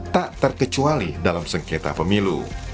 tak terkecuali dalam sengketa pemilu